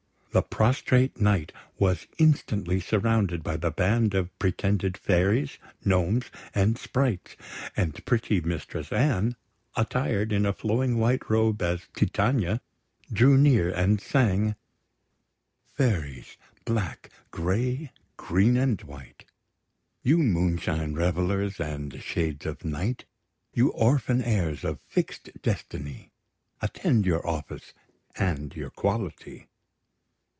The prostrate Knight was instantly surrounded by the band of pretended fairies, gnomes, and sprites; and pretty Mistress Anne, attired in a flowing white robe as Titania, drew near, and sang: Fairies, black, grey, green, and white, You moonshine revellers, and shades of night. You orphan heirs of fixed destiny, Attend your office and your quality.